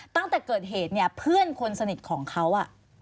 ตั้งแต่เกิดเหตุเนี่ยเพื่อนคนสนิทของเขา